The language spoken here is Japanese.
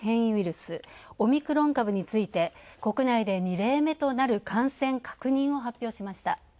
スオミクロン株について、国内で２例目となる感染確認を発表しました。